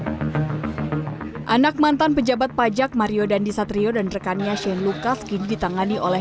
hai anak mantan pejabat pajak mario dandi satrio dan rekannya shane lukas gini ditangani oleh